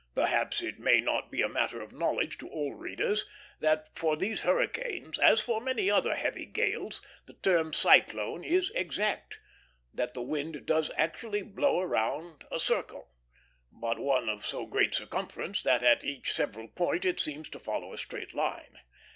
Perhaps it may not be a matter of knowledge to all readers that for these hurricanes, as for many other heavy gales, the term cyclone is exact; that the wind does actually blow round a circle, but one of so great circumference that at each several point it seems to follow a straight line.